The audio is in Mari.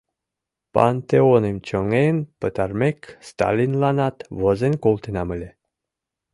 Пантеоным чоҥен пытарымек, Сталинланат возен колтенам ыле.